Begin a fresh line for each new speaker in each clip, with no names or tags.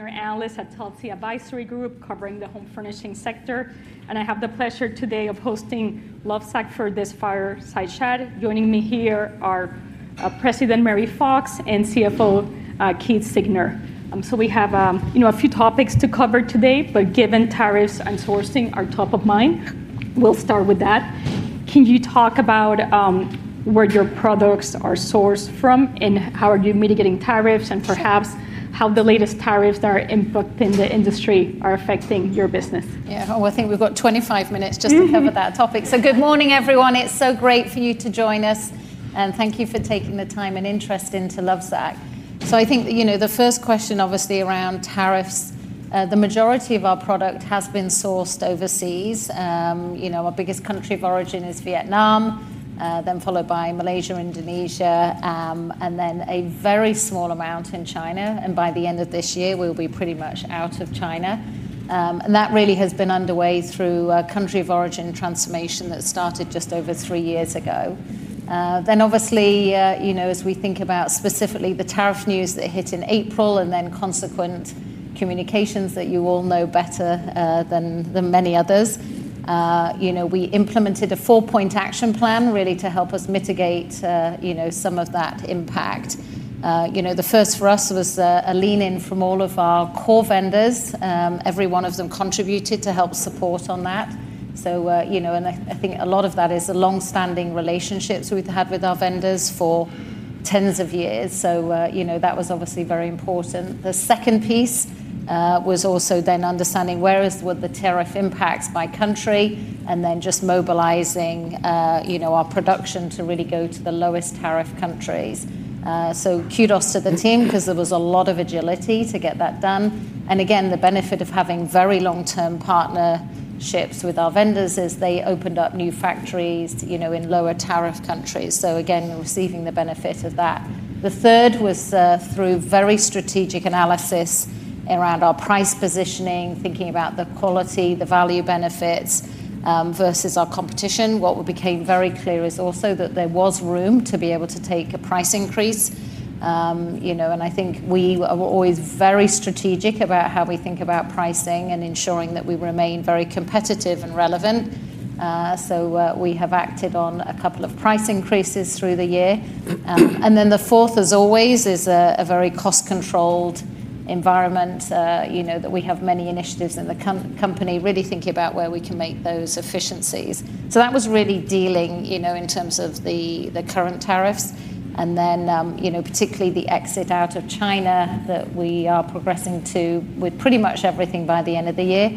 I'm your analyst at Telsey Advisory Group covering the home furnishing sector, and I have the pleasure today of hosting Lovesac for this fireside chat. Joining me here are President Mary Fox and CFO Keith Siegner. We have a few topics to cover today, given tariffs and sourcing are top of mind, we'll start with that. Can you talk about where your products are sourced from and how are you mitigating tariffs and perhaps how the latest tariffs that are input in the industry are affecting your business?
I think we've got 25 minutes just to cover that topic. Good morning, everyone. It's so great for you to join us, and thank you for taking the time and interest into Lovesac. I think the first question, obviously, around tariffs, the majority of our product has been sourced overseas. Our biggest country of origin is Vietnam, then followed by Malaysia, Indonesia, and then a very small amount in China. By the end of this year, we'll be pretty much out of China. That really has been underway through a country of origin transformation that started just over three years ago. As we think about specifically the tariff news that hit in April and then consequent communications that you all know better than many others, we implemented a four-point action plan to help us mitigate some of that impact. The first for us was a lean-in from all of our core vendors. Every one of them contributed to help support on that. I think a lot of that is the longstanding relationships we've had with our vendors for tens of years. That was very important. The second piece was also understanding where the tariff impact is by country and then just mobilizing our production to go to the lowest tariff countries. Kudos to the team because there was a lot of agility to get that done. The benefit of having very long-term partnerships with our vendors is they opened up new factories in lower tariff countries, so again, receiving the benefit of that. The third was through very strategic analysis around our price positioning, thinking about the quality, the value benefits versus our competition. What became very clear is also that there was room to be able to take a price increase. I think we are always very strategic about how we think about pricing and ensuring that we remain very competitive and relevant. We have acted on a couple of price increases through the year. The fourth, as always, is a very cost-controlled environment. We have many initiatives in the company really thinking about where we can make those efficiencies. That was really dealing in terms of the current tariffs. Particularly, the exit out of China that we are progressing to with pretty much everything by the end of the year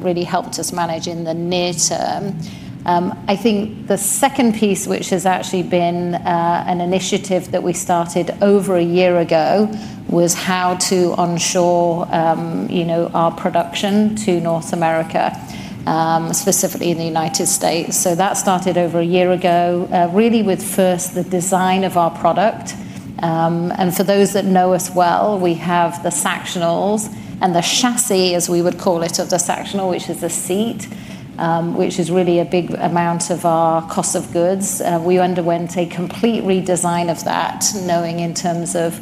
really helped us manage in the near term. I think the second piece, which has actually been an initiative that we started over a year ago, was how to onshore our production to North America, specifically in the United States. That started over a year ago, really with first the design of our product. For those that know us well, we have the Sactionals and the chassis, as we would call it, of the sectional, which is the seat, which is really a big amount of our cost of goods. We underwent a complete redesign of that, knowing in terms of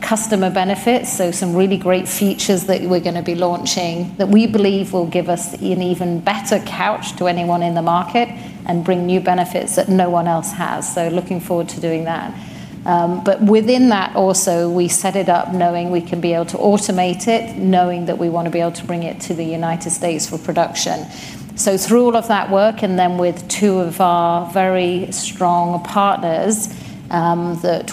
customer benefits. Some really great features that we're going to be launching that we believe will give us an even better couch to anyone in the market and bring new benefits that no one else has. Looking forward to doing that. Within that, we also set it up knowing we can be able to automate it, knowing that we want to be able to bring it to the United States for production. Through all of that work, and then with two of our very strong partners,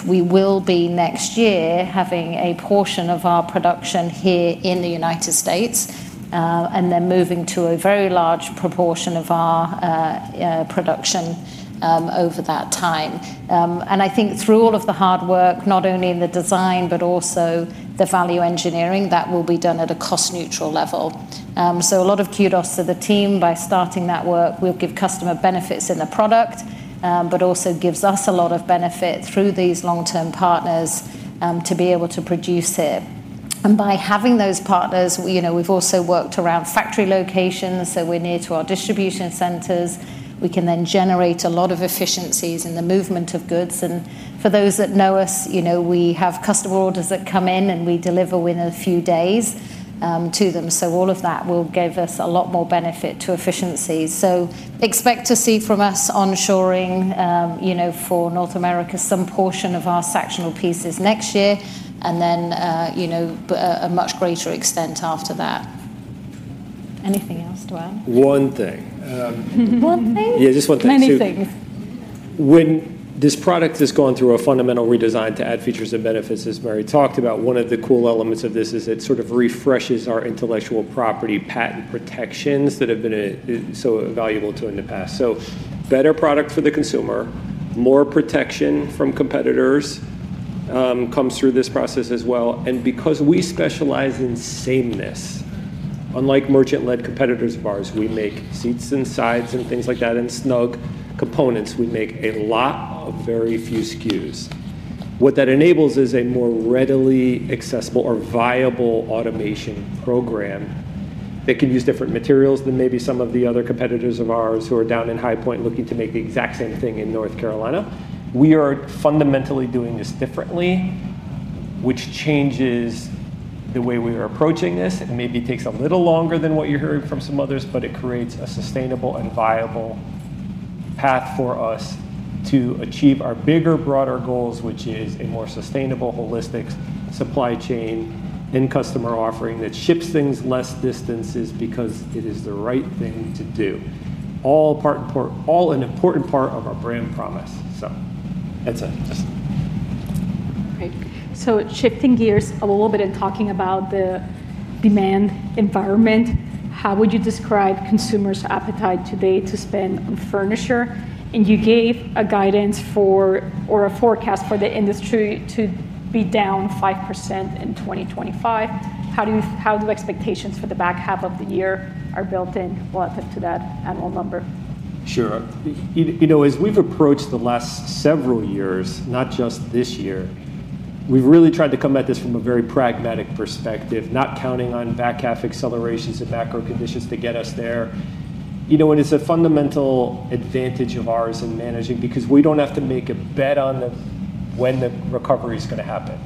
we will be next year having a portion of our production here in the United States, and then moving to a very large proportion of our production over that time. Through all of the hard work, not only in the design, but also the value engineering that will be done at a cost-neutral level. A lot of kudos to the team by starting that work. We'll give customer benefits in the product, but also gives us a lot of benefit through these long-term partners to be able to produce it. By having those partners, we've also worked around factory locations. We're near to our distribution centers. We can then generate a lot of efficiencies in the movement of goods. For those that know us, we have customer orders that come in and we deliver within a few days to them. All of that will give us a lot more benefit to efficiencies. Expect to see from us onshoring for North America, some portion of our sectional pieces next year, and then a much greater extent after that. Anything else to add?
One thing.
One thing?
Yeah, just one thing.
Many things.
When this product has gone through a fundamental redesign to add features and benefits, as Mary talked about, one of the cool elements of this is it sort of refreshes our intellectual property protection that has been so valuable to us in the past. Better products for the consumer and more protection from competitors come through this process as well. Because we specialize in sameness, unlike merchant-led competitors of ours, we make seats and sides and things like that and Snugg components. We make a lot of very few SKUs. What that enables is a more readily accessible or viable automation program that can use different materials than maybe some of the other competitors of ours who are down in High Point looking to make the exact same thing in North Carolina. We are fundamentally doing this differently, which changes the way we are approaching this. It maybe takes a little longer than what you're hearing from some others, but it creates a sustainable and viable path for us to achieve our bigger, broader goals, which is a more sustainable, holistic supply chain and customer offering that ships things less distances because it is the right thing to do. All in all, an important part of our brand promise. Great. Shifting gears a little bit and talking about the demand environment, how would you describe consumers' appetite today to spend on furniture? You gave a guidance for or a forecast for the industry to be down 5% in 2025. How do expectations for the back half of the year are built in relative to that annual number? Sure. As we've approached the last several years, not just this year, we've really tried to come at this from a very pragmatic perspective, not counting on back half accelerations and macro conditions to get us there. It's a fundamental advantage of ours in managing because we don't have to make a bet on when the recovery is going to happen.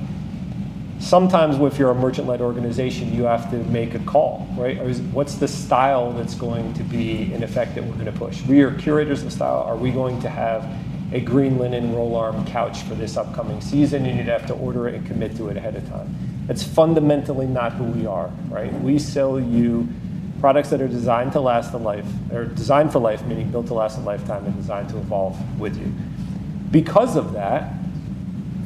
Sometimes with your merchant-led organization, you have to make a call, right? What's the style that's going to be in effect that we're going to push? We are curators of style. Are we going to have a green linen roll-arm couch for this upcoming season? You'd have to order it and commit to it ahead of time. That's fundamentally not who we are, right? We sell you products that are designed to last a life, or designed for life, meaning built to last a lifetime and designed to evolve with you. Because of that,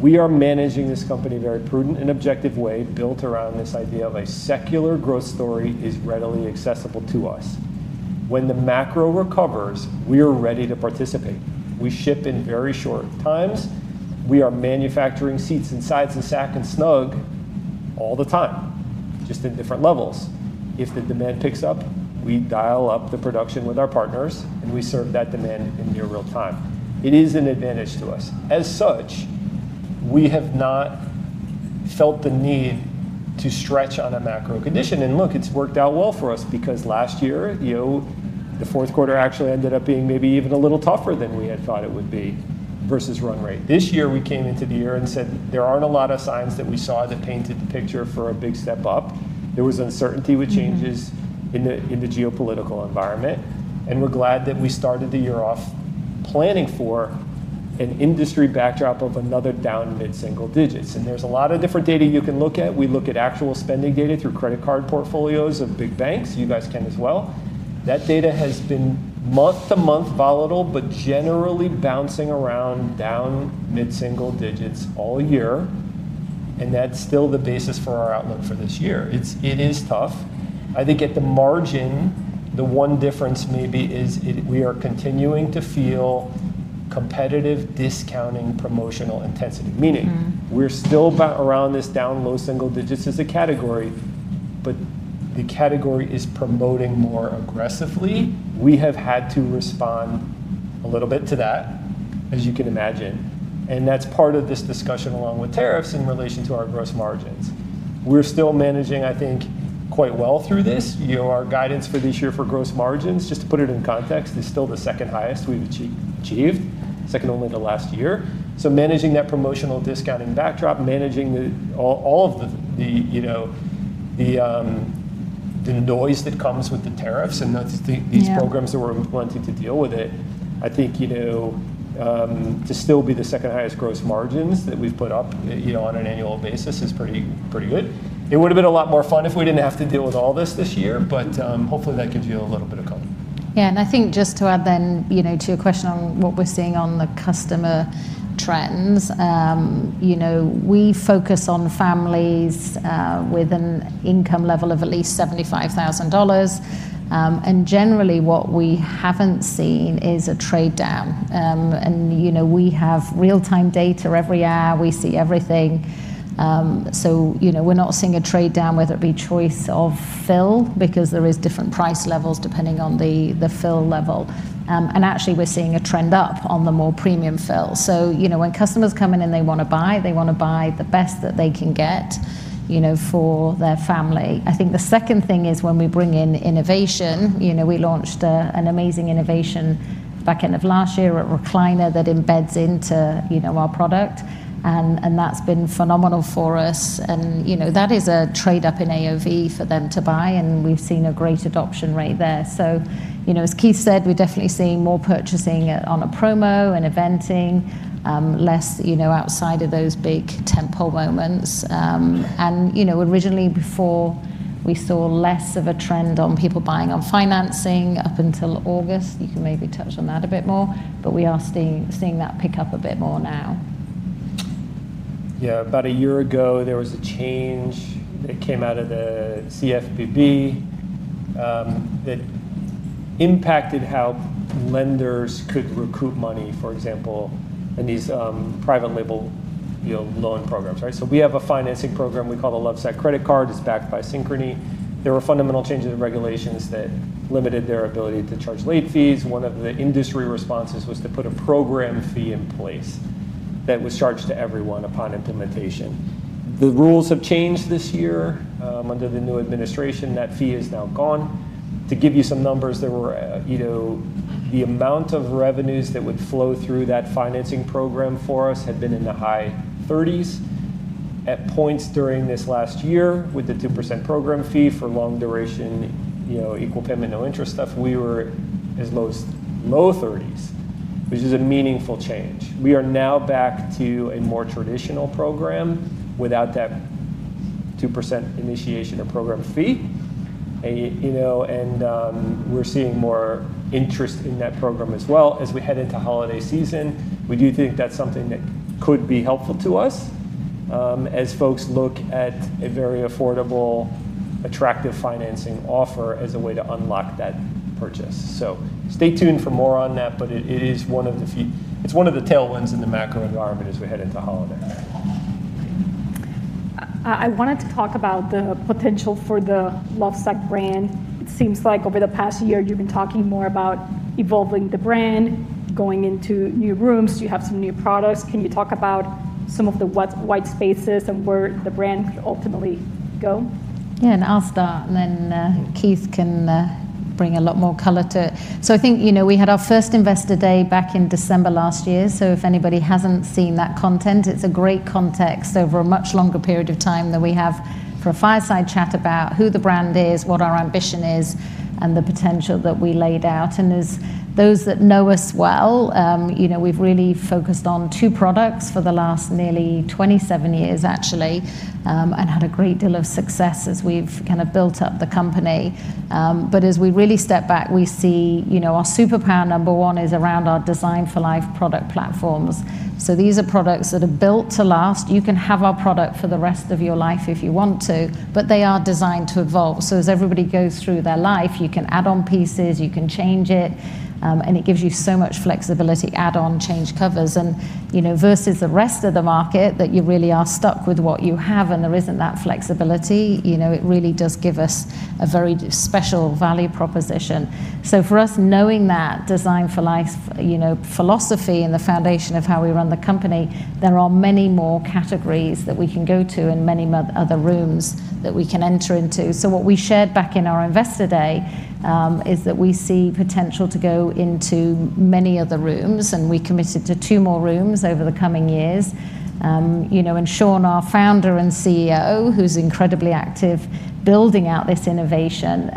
we are managing this company in a very prudent and objective way, built around this idea of a secular growth story that is readily accessible to us. When the macro recovers, we are ready to participate. We ship in very short times. We are manufacturing seats and sides and Sacs and Snugg all the time, just in different levels. If the demand picks up, we dial up the production with our partners and we serve that demand in near real time. It is an advantage to us. As such, we have not felt the need to stretch on a macro condition. It's worked out well for us because last year, the fourth quarter actually ended up being maybe even a little tougher than we had thought it would be versus run rate. This year, we came into the year and said there aren't a lot of signs that we saw that painted the picture for a big step up. There was uncertainty with changes in the geopolitical environment. We're glad that we started the year off planning for an industry backdrop of another down mid-single digits. There's a lot of different data you can look at. We look at actual spending data through credit card portfolios of big banks. You guys can as well. That data has been month-to-month volatile, but generally bouncing around down mid-single digits all year. That's still the basis for our outlook for this year. It is tough. I think at the margin, the one difference maybe is we are continuing to feel competitive discounting promotional intensity, meaning we're still around this down low single digits as a category, but the category is promoting more aggressively. We have had to respond a little bit to that, as you can imagine. That's part of this discussion along with tariffs in relation to our gross margins. We're still managing, I think, quite well through this. Our guidance for this year for gross margins, just to put it in context, is still the second highest we've achieved, second only to last year. Managing that promotional discounting backdrop, managing all of the noise that comes with the tariffs and not just these programs that we're wanting to deal with, I think, to still be the second highest gross margins that we've put up on an annual basis is pretty, pretty good. It would have been a lot more fun if we didn't have to deal with all this this year, but hopefully that gives you a little bit of comfort.
Yeah, and I think just to add then, to your question on what we're seeing on the customer trends, we focus on families with an income level of at least $75,000. Generally, what we haven't seen is a trade down. We have real-time data every hour. We see everything. We're not seeing a trade down, whether it be choice of fill, because there are different price levels depending on the fill level. Actually, we're seeing a trend up on the more premium fill. When customers come in and they want to buy, they want to buy the best that they can get for their family. I think the second thing is when we bring in innovation, we launched an amazing innovation back end of last year at Recliner that embeds into our product. That's been phenomenal for us. That is a trade up in AOV for them to buy, and we've seen a great adoption rate there. As Keith said, we're definitely seeing more purchasing on a promo and eventing, less outside of those big tempo moments. Originally, before, we saw less of a trend on people buying on financing up until August. You can maybe touch on that a bit more, but we are seeing that pick up a bit more now.
Yeah, about a year ago, there was a change that came out of the CFPB that impacted how lenders could recoup money, for example, in these private label, you know, loan programs, right? We have a financing program we call the Lovesac Credit Card. It's backed by Synchrony. There were fundamental changes in regulations that limited their ability to charge late fees. One of the industry responses was to put a program fee in place that was charged to everyone upon implementation. The rules have changed this year. Under the new administration, that fee is now gone. To give you some numbers, the amount of revenues that would flow through that financing program for us had been in the high 30s. At points during this last year, with the 2% program fee for long duration, you know, equal payment, no interest stuff, we were as low as low 30s, which is a meaningful change. We are now back to a more traditional program without that 2% initiation of program fee. We're seeing more interest in that program as well. As we head into holiday season, we do think that's something that could be helpful to us as folks look at a very affordable, attractive financing offer as a way to unlock that purchase. Stay tuned for more on that, but it is one of the few, it's one of the tailwinds in the macro environment as we head into holiday. I wanted to talk about the potential for the Lovesac brand. It seems like over the past year, you've been talking more about evolving the brand, going into new rooms. Do you have some new products? Can you talk about some of the white spaces and where the brand should ultimately go?
Yeah. I'll start, and then Keith can bring a lot more color to it. I think we had our first Investor Day back in December last year. If anybody hasn't seen that content, it's a great context over a much longer period of time than we have for a fireside chat about who the brand is, what our ambition is, and the potential that we laid out. As those that know us well, we've really focused on two products for the last nearly 27 years, actually, and had a great deal of success as we've kind of built up the company. As we really step back, we see our superpower number one is around our design-for-life product platforms. These are products that are built to last. You can have our product for the rest of your life if you want to, but they are designed to evolve. As everybody goes through their life, you can add on pieces, you can change it, and it gives you so much flexibility to add on, change covers. Versus the rest of the market that you really are stuck with what you have and there isn't that flexibility, it really does give us a very special value proposition. For us, knowing that design-for-life philosophy and the foundation of how we run the company, there are many more categories that we can go to and many other rooms that we can enter into. What we shared back in our Investor Day is that we see potential to go into many other rooms, and we committed to two more rooms over the coming years. Sean, our founder and CEO, who's incredibly active building out this innovation,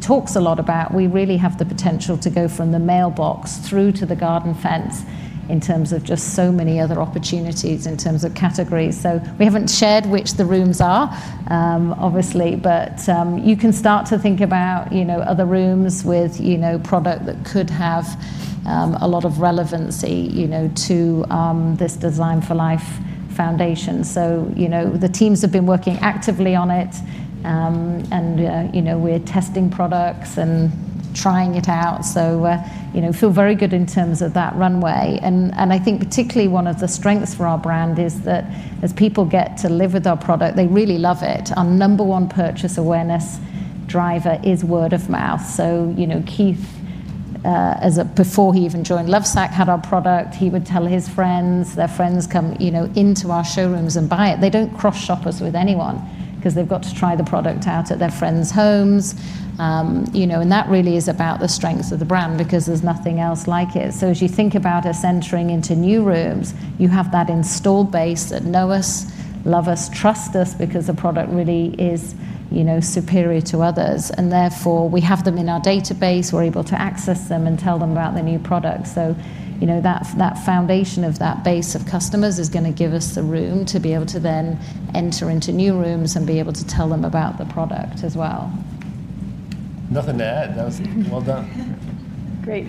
talks a lot about we really have the potential to go from the mailbox through to the garden fence in terms of just so many other opportunities in terms of categories. We haven't shared which the rooms are, obviously, but you can start to think about other rooms with product that could have a lot of relevancy to this design-for-life foundation. The teams have been working actively on it, and we're testing products and trying it out. I feel very good in terms of that runway. I think particularly one of the strengths for our brand is that as people get to live with our product, they really love it. Our number one purchase awareness driver is word of mouth. Keith, before he even joined Lovesac, had our product. He would tell his friends, their friends come into our showrooms and buy it. They don't cross-shop us with anyone because they've got to try the product out at their friends' homes. That really is about the strengths of the brand because there's nothing else like it. As you think about us entering into new rooms, you have that installed base that know us, love us, trust us because the product really is superior to others. Therefore, we have them in our database. We're able to access them and tell them about the new product. That foundation of that base of customers is going to give us the room to be able to then enter into new rooms and be able to tell them about the product as well.
Nothing to add. That was well done. Great.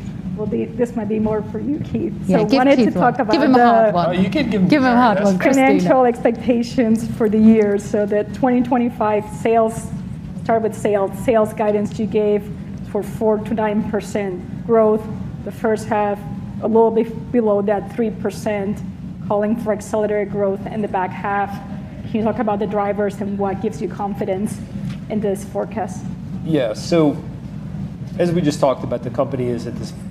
This might be more for you, Keith. I wanted to talk about.
Give him a hug. Give him a hug. Financial expectations for the year so that 2025 sales start with sales. Sales guidance you gave for 4%-9% growth. The first half a little bit below that, 3%, calling for accelerated growth in the back half. Can you talk about the drivers and what gives you confidence in this forecast?
Yeah, as we just talked about, the company is at this point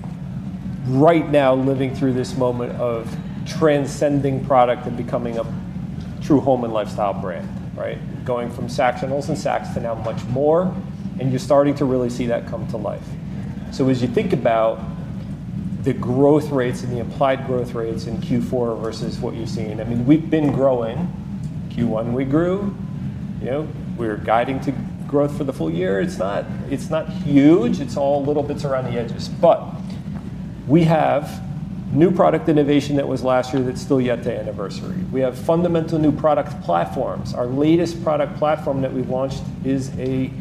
right now living through this moment of transcending product and becoming a true home and lifestyle brand, right? Going from Sactionals and Sacs to now much more, and you're starting to really see that come to life. As you think about the growth rates and the applied growth rates in Q4 versus what you've seen, I mean, we've been growing. Q1, we grew. We're guiding to growth for the full year. It's not huge. It's all little bits around the edges. We have new product innovation that was last year that's still yet to anniversary. We have fundamental new product platforms. Our latest product platform that we've launched is a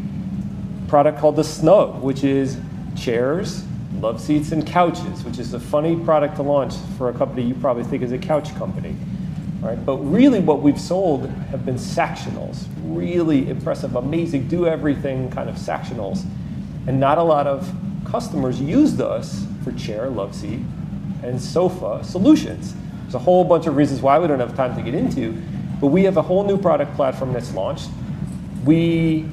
product called the Snugg, which is chairs, love seats, and couches, which is a funny product to launch for a company you probably think is a couch company. Really what we've sold have been Sactionals, really impressive, amazing, do everything kind of Sactionals. Not a lot of customers use those for chair, love seat, and sofa solutions. There's a whole bunch of reasons why we don't have time to get into, but we have a whole new product platform that's launched. We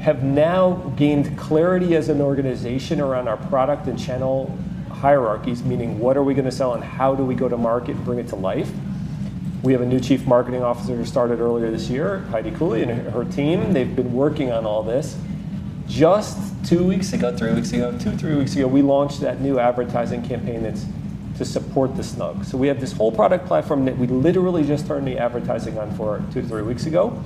have now gained clarity as an organization around our product and channel hierarchies, meaning what are we going to sell and how do we go to market and bring it to life. We have a new Chief Marketing Officer who started earlier this year, Heidi Cooley, and her team, and they've been working on all this. Just two weeks ago, three weeks ago, two, three weeks ago, we launched that new advertising campaign that's to support the Snugg. We have this whole product platform that we literally just turned the advertising on for two to three weeks ago.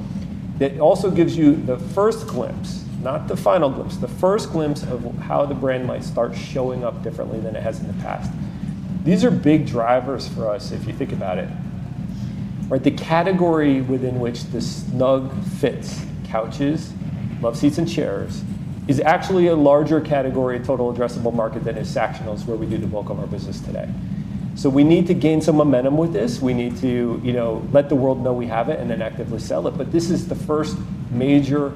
That also gives you the first glimpse, not the final glimpse, the first glimpse of how the brand might start showing up differently than it has in the past. These are big drivers for us if you think about it. The category within which the Snugg fits, couches, love seats, and chairs, is actually a larger category of total addressable market than is Sactionals where we do the Welcome Our Business today. We need to gain some momentum with this. We need to let the world know we have it and then actively sell it. This is the first major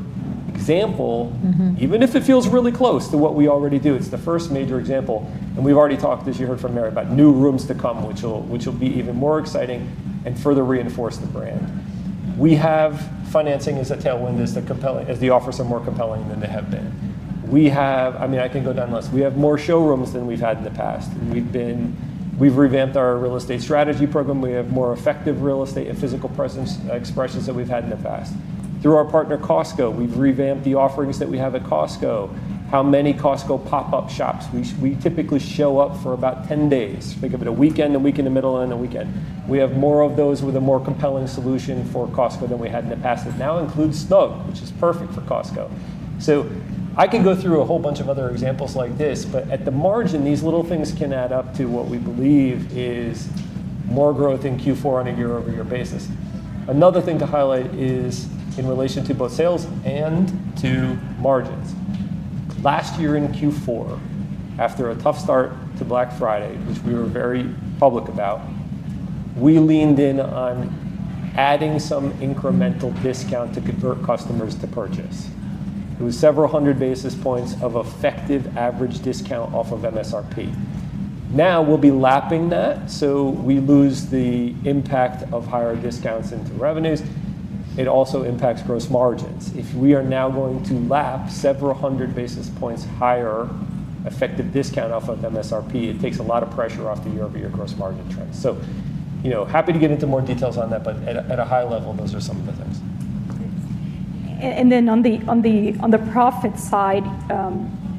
example, even if it feels really close to what we already do. It's the first major example. As you heard from Mary, we've already talked about new rooms to come, which will be even more exciting and further reinforce the brand. We have financing as a tailwind as the offers are more compelling than they have been. I mean, I can go down the list. We have more showrooms than we've had in the past. We've revamped our real estate strategy program. We have more effective real estate and physical presence expressions than we've had in the past. Through our partner Costco, we've revamped the offerings that we have at Costco. How many Costco pop-up shops? We typically show up for about 10 days. Think of it as a weekend, a week in the middle, and a weekend. We have more of those with a more compelling solution for Costco than we had in the past. It now includes Snugg, which is perfect for Costco. I can go through a whole bunch of other examples like this, but at the margin, these little things can add up to what we believe is more growth in Q4 on a year-over-year basis. Another thing to highlight is in relation to both sales and to margins. Last year in Q4, after a tough start to Black Friday, which we were very public about, we leaned in on adding some incremental discount to convert customers to purchase. It was several hundred basis points of effective average discount off of MSRP. Now we'll be lapping that, so we lose the impact of higher discounts into revenues. It also impacts gross margins. If we are now going to lap several hundred basis points higher effective discount off of MSRP, it takes a lot of pressure off the year-over-year gross margin trend. Happy to get into more details on that, but at a high level, those are some of the things. On the profit side,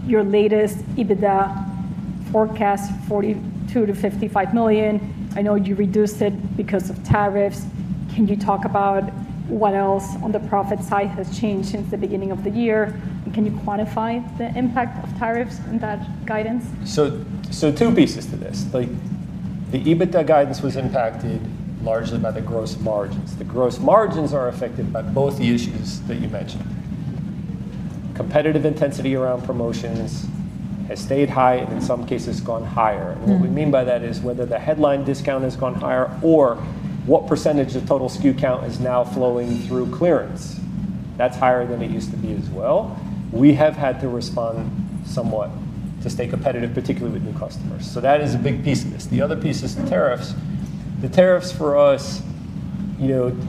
your latest EBITDA forecast is $42 million-$55 million. I know you reduced it because of tariffs. Can you talk about what else on the profit side has changed since the beginning of the year? Can you quantify the impact of tariffs in that guidance? Two pieces to this. The EBITDA guidance was impacted largely by the gross margins. The gross margins are affected by both the issues that you mentioned. Competitive intensity around promotions has stayed high and in some cases gone higher. What we mean by that is whether the headline discount has gone higher or what % of total SKU count is now flowing through clearance. That's higher than it used to be as well. We have had to respond somewhat to stay competitive, particularly with new customers. That is a big piece of this. The other piece is the tariffs. The tariffs for us,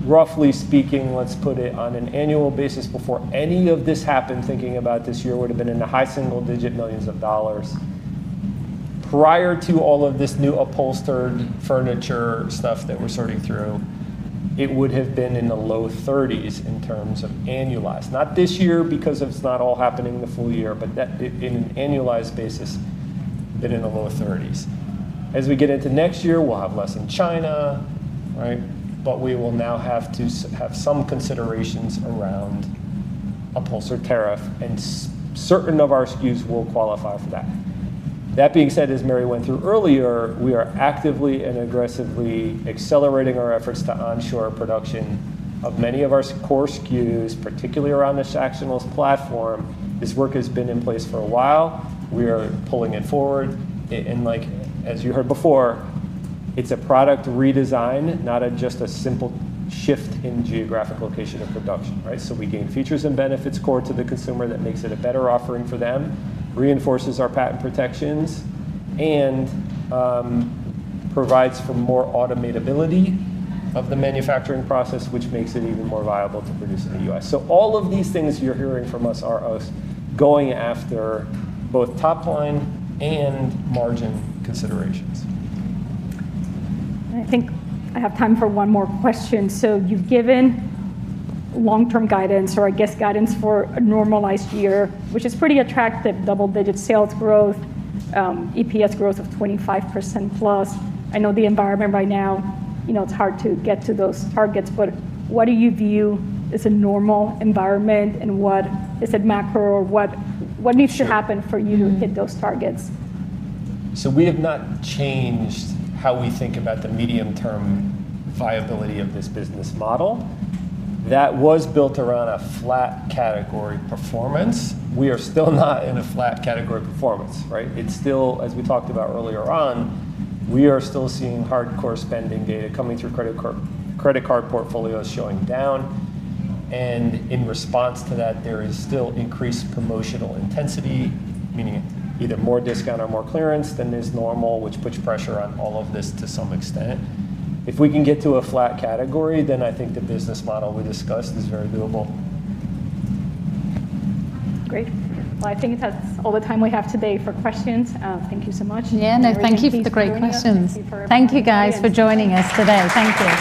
roughly speaking, let's put it on an annual basis before any of this happened, thinking about this year, would have been in the high single-digit millions of dollars. Prior to all of this new upholstered furniture stuff that we're sorting through, it would have been in the low 30s in terms of annualized. Not this year because it's not all happening the full year, but on an annualized basis, a bit in the low 30s. As we get into next year, we'll have less in China, right? We will now have to have some considerations around upholstered tariff and certain of our SKUs will qualify for that. That being said, as Mary went through earlier, we are actively and aggressively accelerating our efforts to onshore production of many of our core SKUs, particularly around the Sactionals platform. This work has been in place for a while. We are pulling it forward. As you heard before, it's a product redesign, not just a simple shift in geographic location of production, right? We gain features and benefits core to the consumer that makes it a better offering for them, reinforces our patent protections, and provides for more automatability of the manufacturing process, which makes it even more viable to produce in the U.S. All of these things you're hearing from us are us going after both top line and margin considerations. I think I have time for one more question. You've given long-term guidance, or I guess guidance for a normalized year, which is pretty attractive, double-digit sales growth, EPS growth of 25%+. I know the environment right now, you know, it's hard to get to those targets, but what do you view as a normal environment and what is it, macro, or what needs to happen for you to hit those targets? We have not changed how we think about the medium-term viability of this business model. That was built around a flat category performance. We are still not in a flat category performance, right? It's still, as we talked about earlier on, we are still seeing hardcore spending data coming through credit card portfolios showing down. In response to that, there is still increased promotional intensity, meaning either more discount or more clearance than is normal, which puts pressure on all of this to some extent. If we can get to a flat category, then I think the business model we discussed is very doable. Great. I think that's all the time we have today for questions. Thank you so much.
Thank you for the great questions. Thank you guys for joining us today. Thank you.